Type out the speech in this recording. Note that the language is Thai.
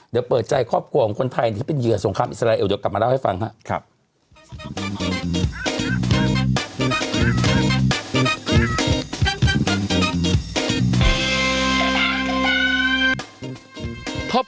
เดี๋ยวเปิดใจครอบครัวของคนไทยที่เป็นเหยื่อสงครามอิสราเอลเดี๋ยวกลับมาเล่าให้ฟังครับ